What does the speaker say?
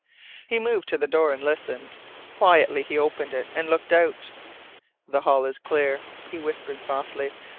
He moved to the door and listened. Quietly he opened it, and looked out. "The hall is clear," he whispered softly.